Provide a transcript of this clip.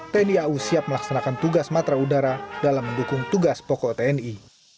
tni au siap melaksanakan tugas matra udara dalam mendukung tugas pokok tni